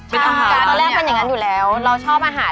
เป็นอาหารใช่ตอนแรกเป็นอย่างนั้นอยู่แล้วเราชอบอาหาร